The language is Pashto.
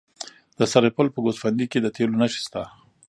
د سرپل په ګوسفندي کې د تیلو نښې شته.